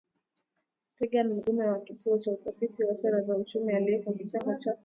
Reagan Mugume wa Kituo cha Utafiti wa Sera za Uchumi, aliyeko Kitengo cha Biashara Chuo Kikuu cha Makerere .